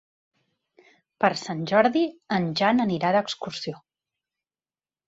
Per Sant Jordi en Jan anirà d'excursió.